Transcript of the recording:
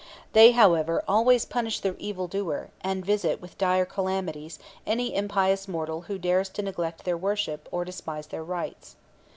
They, however, always punish the evil doer, and visit with dire calamities any impious mortal who dares to neglect their worship or despise their rites.